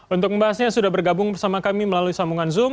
untuk membahasnya sudah bergabung bersama kami melalui sambungan zoom